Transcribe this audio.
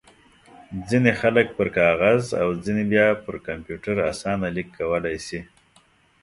ځينې خلک پر کاغذ او ځينې بيا پر کمپيوټر اسانه ليک کولای شي.